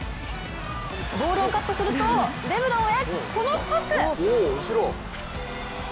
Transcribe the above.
ボールをカットするとレブロンへこのパス！